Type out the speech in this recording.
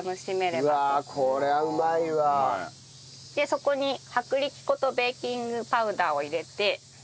そこに薄力粉とベーキングパウダーを入れて。